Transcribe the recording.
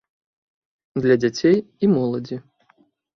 Для дзяцей і моладзі.